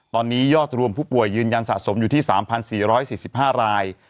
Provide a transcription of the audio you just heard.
ตอนนี้ยอดรวมผู้ป่วยยืนยันสะสมอยู่ที่๓๔๔๕ราย